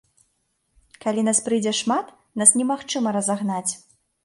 Калі нас прыйдзе шмат, нас немагчыма разагнаць.